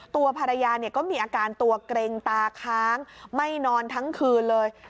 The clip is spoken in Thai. ตัวภรรยาก็มีอาการตัวเกร็งตาค้างไม่นอนทั้งคืนเลย